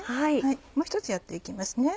もう１つやって行きますね。